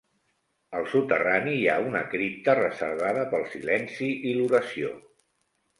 Al soterrani hi ha una cripta, reservada pel silenci i l'oració.